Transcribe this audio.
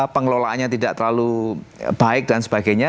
pengelolaannya tidak terlalu baik dan sebagainya